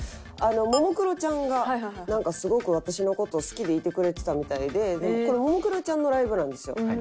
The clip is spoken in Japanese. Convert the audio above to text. あのももクロちゃんがなんかすごく私の事を好きでいてくれてたみたいでこれももクロちゃんのライブなんですよ。